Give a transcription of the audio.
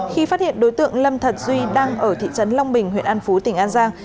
khi phát hiện đối tượng lâm thật duy đang ở thị trấn long bình huyện an phú tỉnh an giang